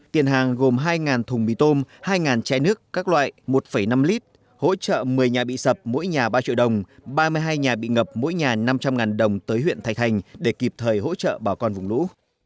tiền hàng gồm hai thùng mì tôm hai chai nước các loại một năm lít hỗ trợ một mươi nhà bị sập mỗi nhà ba triệu đồng ba mươi hai nhà bị ngập mỗi nhà năm trăm linh đồng tới huyện thạch thành để kịp thời hỗ trợ bà con vùng lũ